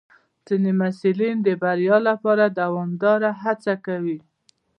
ځینې محصلین د بریا لپاره دوامداره هڅه کوي.